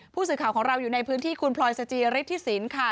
ผู้สื่อข่าวของเราอยู่ในพื้นที่คุณพลอยสจิฤทธิสินค่ะ